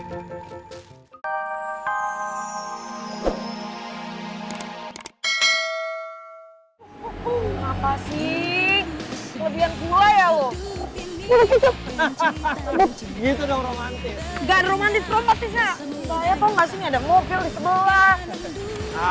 soalnya tau ga sih ada mobil di sebelah